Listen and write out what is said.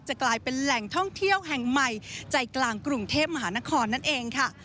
กลายเป็นแหล่งท่องเที่ยวแห่งใหม่ใจกลางกรุงเทพมหานครนั่นเองค่ะ